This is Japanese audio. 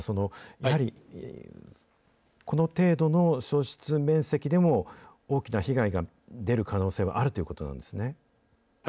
やはり、この程度の焼失面積でも、大きな被害が出る可能性はあるということなんですね。